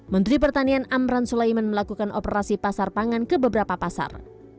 menteri pertanian amran sulaiman melakukan operasi pasar pangan ke beberapa pasar